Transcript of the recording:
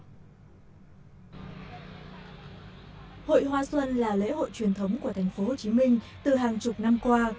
hội hoa xuân là lễ hội truyền thống của thành phố hồ chí minh từ hàng chục năm qua